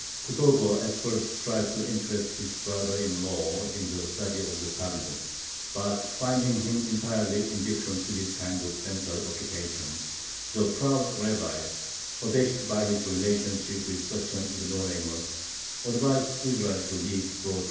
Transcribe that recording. Kutover at first tried to interest his brother in law in the study of the Talmud, but, finding him entirely indifferent to this kind of mental occupation, the proud rabbi, abashed by his relationship with such an ignoramus, advised Israel to leave Brody.